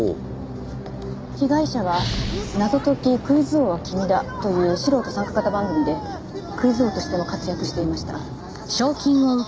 被害者は『謎解きクイズ王は君だ！』という素人参加型番組でクイズ王としても活躍していました。